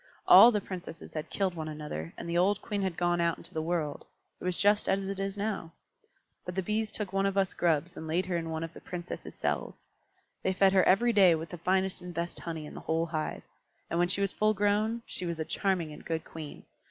All the Princesses had killed one another, and the old Queen had gone out into the world: it was just as it is now. But the Bees took one of us Grubs and laid her in one of the Princesses' cells. They fed her every day with the finest and best honey in the whole hive; and when she was full grown, she was a charming and good Queen.